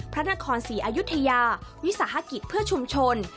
พระนครศรีอายุทยาวิสาหกิจเพื่อชุมชน